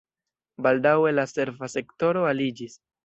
Baldaŭe la serva sektoro aliĝis.